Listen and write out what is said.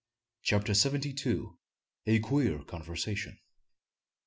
CHAPTER SEVENTY ONE. A QUEER CONVERSATION.